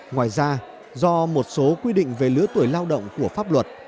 ngoài ra do một số quy định về lứa tuổi lao động của pháp luật